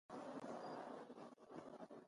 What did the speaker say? هوه